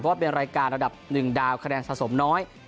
ว่าเป็นรายการระดับ๑ดาวคะแนนสะสมน้อย